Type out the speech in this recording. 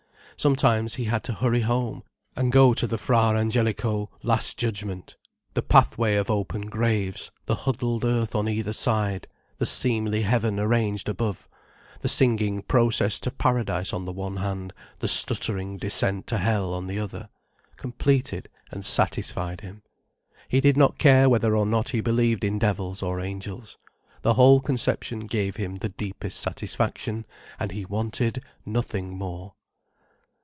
Sometimes he had to hurry home, and go to the Fra Angelico "Last Judgment". The pathway of open graves, the huddled earth on either side, the seemly heaven arranged above, the singing process to paradise on the one hand, the stuttering descent to hell on the other, completed and satisfied him. He did not care whether or not he believed in devils or angels. The whole conception gave him the deepest satisfaction, and he wanted nothing more.